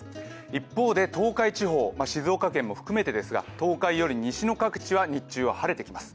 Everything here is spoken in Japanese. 一方で東海地方、静岡県も含めてですが東海より西の各地は日中は晴れていきます。